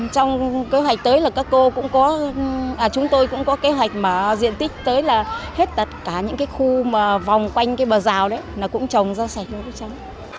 trong kế hoạch tới là các cô cũng có chúng tôi cũng có kế hoạch mà diện tích tới là hết tất cả những khu vòng quanh bờ rào đấy cũng trồng rau sạch cho các cháu